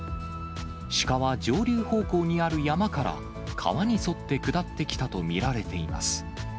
鹿は上流方向にある山から、川に沿って下ってきたと見られています。